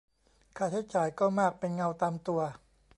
ค่าใช้จ่ายก็มากเป็นเงาตามตัว